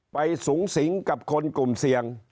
สูงสิงกับคนกลุ่มเสี่ยง